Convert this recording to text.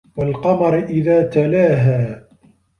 وَالقَمَرِ إِذا تَلاها